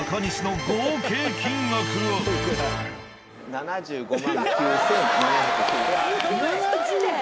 ７５万９，７０９円。